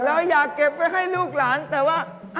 เราอยากเก็บไว้ให้ลูกหลานแต่ว่า